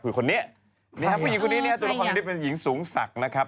คือคนนี้นี่ครับผู้หญิงคนนี้เนี่ยตัวละครคนนี้เป็นหญิงสูงศักดิ์นะครับ